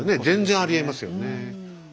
全然ありえますね。